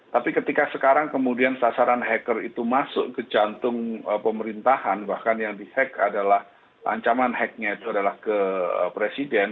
tapi ketika sekarang kemudian sasaran hacker itu masuk ke jantung pemerintahan bahkan yang di hack adalah ancaman hacknya itu adalah ke presiden